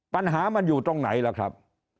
ปัญหามันอยู่ตรงไหนล่ะครับ